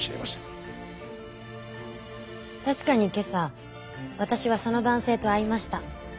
確かに今朝私はその男性と会いました。